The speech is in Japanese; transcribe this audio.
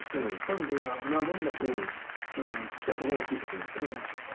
そこをはっきりさせないと。